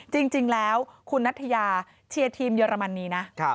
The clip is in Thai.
จริงแล้วคุณนัทยาเชียร์ทีมเยอรมนีนะ